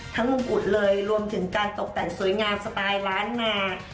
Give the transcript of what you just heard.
มงกุฎเลยรวมถึงการตกแต่งสวยงามสไตล์ล้านนา